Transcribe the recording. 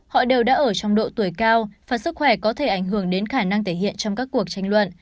họ đều đã ở trong độ tuổi cao và sức khỏe có thể ảnh hưởng đến khả năng thể hiện trong các cuộc tranh luận